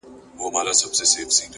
هره لاسته راوړنه قرباني غواړي!